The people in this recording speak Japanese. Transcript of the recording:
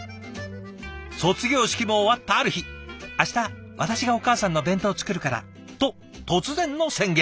卒業式も終わったある日「明日私がお母さんの弁当作るから」と突然の宣言。